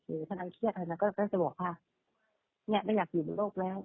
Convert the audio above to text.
คือถ้านางเครียดอะไรมันก็จะบอกว่าเนี่ยไม่อยากอยู่บนโลกแล้ว